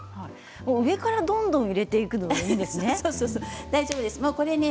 上からどんどん入れていくんでいいんですね。